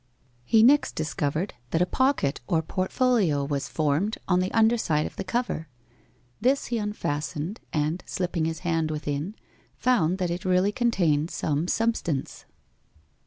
He next discovered that a pocket or portfolio was formed on the underside of the cover. This he unfastened, and slipping his hand within, found that it really contained some substance.